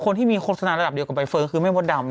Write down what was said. คนที่มีโฆษณาระดับเดียวกับใบเฟิร์นคือแม่มดดำ